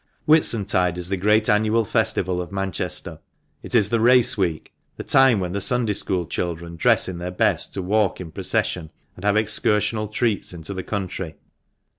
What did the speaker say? Whitsuntide is the great annual festival of Manchester. It is the race week, the time when the Sunday school children dress in their best to walk in procession and have excursional treats into the country.